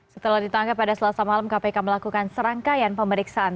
setelah ditangkap pada selasa malam kpk melakukan serangkaian pemeriksaan